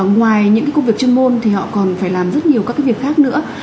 ngoài những công việc chuyên môn thì họ còn phải làm rất nhiều các việc khác nữa